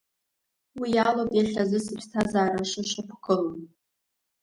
Уи алоуп иахьазы сыԥсҭазаара шышьақәгылоу.